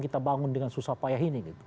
kita bangun dengan susah payah ini